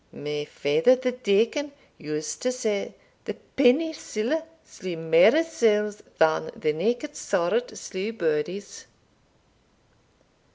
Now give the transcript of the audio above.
My father the deacon used to say, the penny siller slew mair souls than the naked sword slew bodies."